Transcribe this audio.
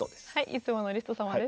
いつものリスト様です。